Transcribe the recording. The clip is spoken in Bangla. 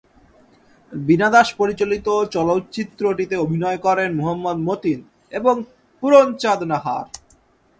বীণা দাস পরিচালিত চলচ্চিত্রটিতে অভিনয় করেন মুহাম্মাদ মতিন এবং পূরণচাঁদ নাহার।